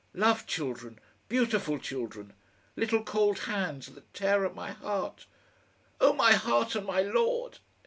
Love children, beautiful children. Little cold hands that tear at my heart! Oh, my heart and my lord!"